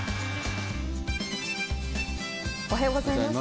おはようございます。